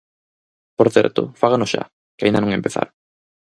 Por certo, fágano xa, que aínda non empezaron.